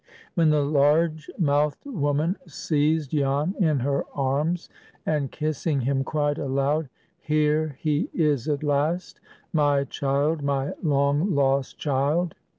When the large mouthed woman seized Jan in her arms, and kissing him cried aloud, "Here he is at last! My child, my long lost child!"